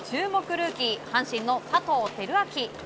ルーキー阪神の佐藤輝明。